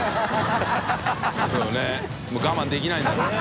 もう我慢できないんだろうね。